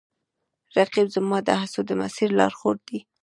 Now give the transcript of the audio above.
رقیب زما د هڅو د مسیر لارښود دی